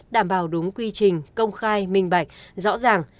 đảm bảo đúng quy trình công khai minh bạch rõ ràng